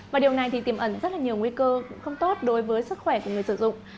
và điều này thì tiềm ẩn rất là nhiều nguy cơ không tốt đối với sức khỏe của người sử dụng